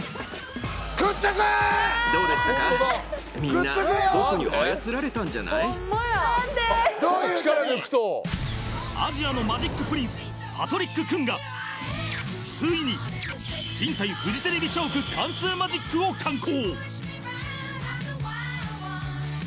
どうでしたか、みんなアジアのマジックプリンスパトリック・クンがついに人体フジテレビ社屋貫通マジックを敢行。